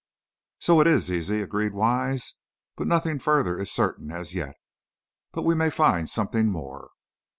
"So it is, Zizi," agreed Wise; "but nothing further is certain as yet. But we may find something more."